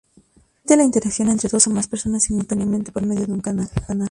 Permite la interacción entre dos o más personas simultáneamente por medio de un canal.